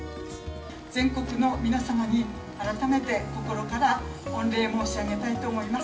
全国の皆様に、改めて心から御礼申し上げたいと思います。